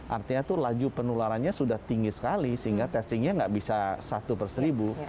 artinya itu laju penularannya sudah tinggi sekali sehingga testingnya nggak bisa satu per seribu